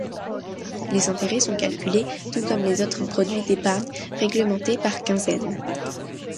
Les intérêts sont calculés, tout comme les autres produits d'épargne réglementés, par quinzaine.